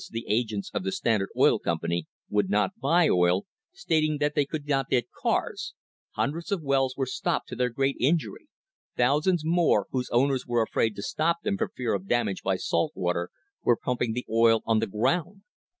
the agents of the Standard Oil Company, would not buy oil, stating that they could not get cars; hundreds of wells were stopped to their great injury; thousands more, whose owners were afraid to stop them for fear I of damage by salt water, were pumping the oil on the ground.